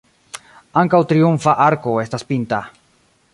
Ankaŭ triumfa arko estas pinta.